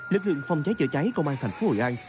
lực lượng phòng cháy chữa cháy công an thành phố hội an